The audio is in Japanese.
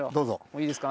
いいですか？